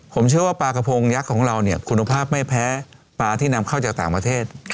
ผมเชื่อว่าปลากระโพงยักษ์ของเราเนี่ยคุณภาพไม่แพ้ปลาที่นำเข้าจากต่างประเทศ